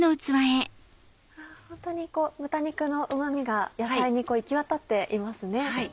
ホントに豚肉のうま味が野菜に行きわたっていますね。